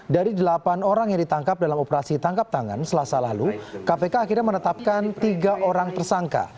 dari delapan orang yang ditangkap dalam operasi tangkap tangan selasa lalu kpk akhirnya menetapkan tiga orang tersangka